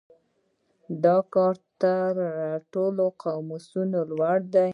دا کار تر هر قاموس لوی دی.